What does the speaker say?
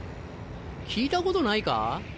聞いたことないか？